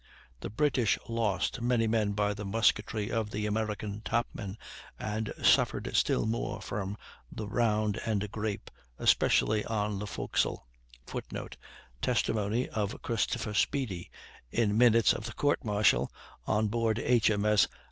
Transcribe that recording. The British lost many men by the musketry of the American topmen, and suffered still more from the round and grape, especially on the forecastle, [Footnote: Testimony of Christopher Speedy, in minutes of the Court martial on board H. M. S.